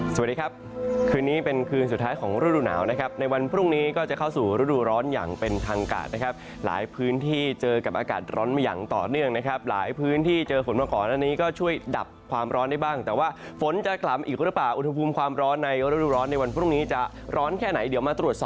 สวัสดีครับคืนนี้เป็นคืนสุดท้ายของฤดูหนาวนะครับในวันพรุ่งนี้ก็จะเข้าสู่ฤดูร้อนอย่างเป็นทางการนะครับหลายพื้นที่เจอกับอากาศร้อนมาอย่างต่อเนื่องนะครับหลายพื้นที่เจอฝนมาก่อนอันนี้ก็ช่วยดับความร้อนได้บ้างแต่ว่าฝนจะกลับอีกหรือเปล่าอุณหภูมิความร้อนในฤดูร้อนในวันพรุ่งนี้จะร้อนแค่ไหนเดี๋ยวมาตรวจสอบ